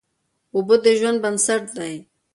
اوبه د ژوند بنسټ دی.